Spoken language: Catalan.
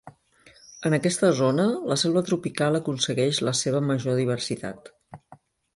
En aquesta zona la selva tropical aconsegueix la seva major diversitat.